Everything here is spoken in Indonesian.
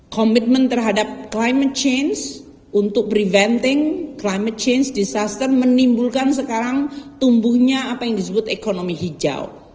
komitmen terhadap climate change untuk preventing climate change disaster menimbulkan sekarang tumbuhnya apa yang disebut ekonomi hijau